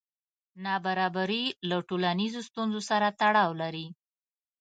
نابرابري له ټولنیزو ستونزو سره تړاو لري.